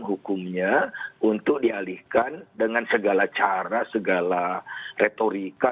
hukumnya untuk dialihkan dengan segala cara segala retorika